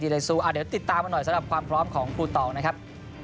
เดี๋ยวติดตามมาหน่อยสำหรับความพร้อมของครูตองนะครับ